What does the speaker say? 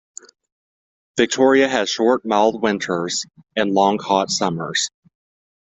Victoria has short mild winters and long hot summers.